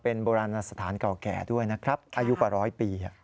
เป็นโบราณสถานเก่าแก่ด้วยนะครับอายุกว่าร้อยปี